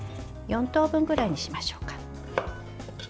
４等分ぐらいにしましょうか。